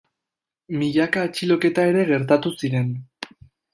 Milaka atxiloketa ere gertatu ziren.